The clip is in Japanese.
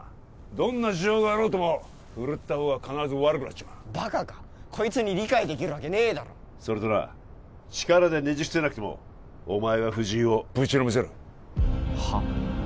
どんな事情があろうとも振るった方が必ず悪くなっちまうバカかこいつに理解できるわけねえだろうそれとな力でねじ伏せなくてもお前は藤井をぶちのめせるは？